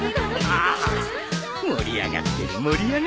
盛り上がってる盛り上がってる